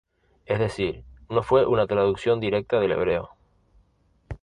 Es decir, no fue una traducción directa del Hebreo.